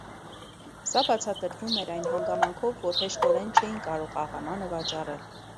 Սա բացատրվում էր այն հանգամանքով, որ հեշտորեն չէին կարող աղամանը վաճառել։